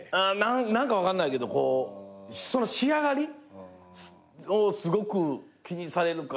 何か分かんないけど仕上がり？をすごく気にされるから。